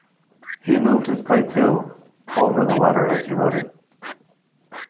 He moved his plate, too, over the letter as he wrote it.